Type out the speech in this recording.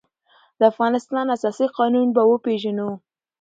د افغانستان اساسي قانون به وپېژنو.